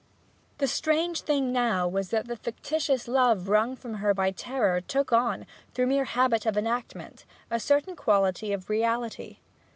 The strange thing now was that this fictitious love wrung from her by terror took on, through mere habit of enactment, a certain quality of reality.